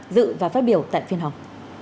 dự và phát biểu tại phiên họp